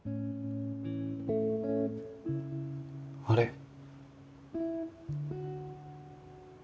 あれ？